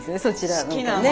そちらの。